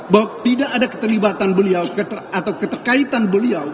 bahwa tidak ada keterlibatan beliau atau keterkaitan beliau